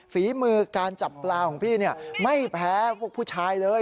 ฝีมือการจับปลาของพี่ไม่แพ้พวกผู้ชายเลย